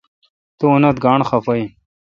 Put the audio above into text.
تو انیت گاݨڈ خفہ این۔